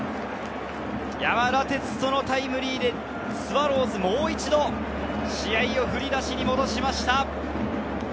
山田哲人のタイムリーで、スワローズ、もう一度、試合を振り出しに戻しました。